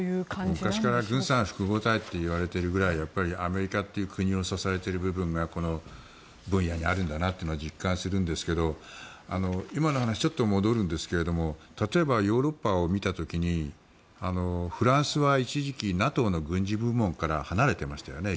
昔から軍産複合体といわれているぐらいアメリカっていう国を支えている部分がこの分野にあるんだなというのは実感するんですが今の話ちょっと戻るんですが例えば、ヨーロッパを見た時にフランスは一時期、ＮＡＴＯの軍事部門から離れてましたよね。